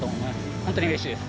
本当にうれしいです。